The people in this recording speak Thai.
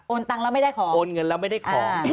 ตังค์แล้วไม่ได้ขอโอนเงินแล้วไม่ได้ขอ